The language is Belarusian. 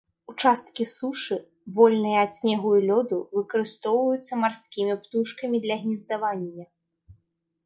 Участкі сушы, вольныя ад снегу і лёду, выкарыстоўваюцца марскімі птушкамі для гнездавання.